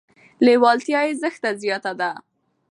لیوالتیا یې زښته زیاته ده.